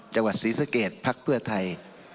จังหวัดศรีสะเกดพรรคเพื่อไทย